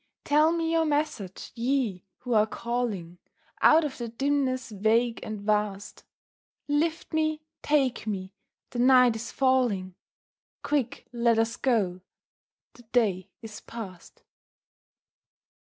Tell me your message, Ye who are calling Out of the dimness vague and vast; Lift me, take me, the night is falling; Quick, let us go, the day is past.